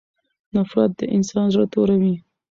نفرت د انسان زړه توروي.